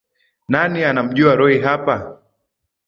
Nani anamjua Roy hapa